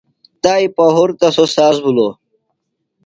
تائی پہُرتہ سوۡ ساز بِھلوۡ۔